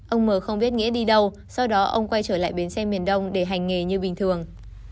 ông m không biết nghĩa đi đâu sau đó ông quay trở lại bến xe miền đông để hành nghề như bình thường